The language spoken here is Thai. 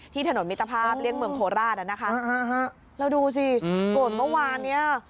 ที่ถนนมิตรภาพเรียกเมืองโทราชนะคะอ้าวแล้วดูสิโกรธเมื่อวานเนี่ย